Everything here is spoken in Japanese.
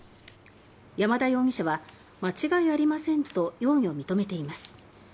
山田容疑者は「間違いありません」と容疑を認めています。